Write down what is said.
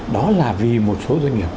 đó là vì một số doanh nghiệp